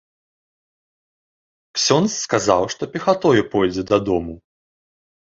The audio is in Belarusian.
Ксёндз сказаў, што пехатою пойдзе дадому.